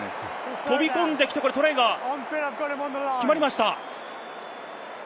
飛び込んできてトライが決まりました。